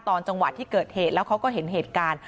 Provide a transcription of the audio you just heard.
ตอนจังหวะที่เกิดเหตุแล้วเขาก็เห็นเหตุการณ์